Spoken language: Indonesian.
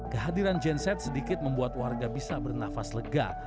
kehadiran genset sedikit membuat warga bisa bernafas lega